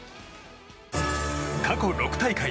過去６大会